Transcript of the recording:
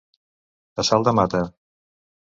A salt de mata.